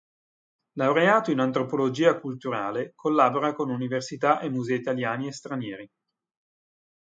Laureato in antropologia culturale, collabora con università e musei italiani e stranieri.